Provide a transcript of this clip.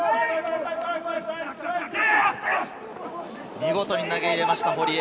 見事に投げ入れました、堀江。